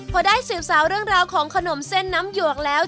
พอได้สืบสาวเรื่องราวของขนมเส้นน้ำหยวกแล้ว